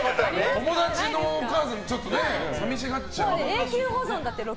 友達のお母さん寂しがっちゃう。